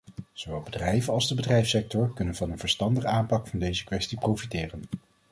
Zowel bedrijven als de bedrijfssector kunnen van een verstandige aanpak van deze kwestie profiteren.